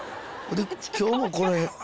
今日もこれ。